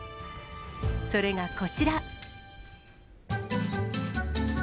それがこちら。